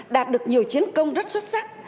đạt được nhiều chiến công rất xuất sắc